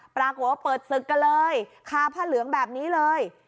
ประโกะบอกว่าเปิดศึกกันเลยฆ่าพระเหลืองแบบนี้เลย